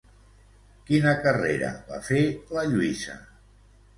Quina carrera va fer la Lluïsa?